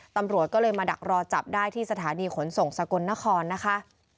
ตำรวจก็เลยมาดักรอจับได้ที่สถานีขนส่งสกลนครนะคะ